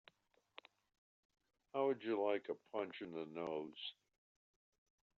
How would you like a punch in the nose?